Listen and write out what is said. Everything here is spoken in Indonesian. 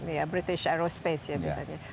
iya british aerospace ya biasanya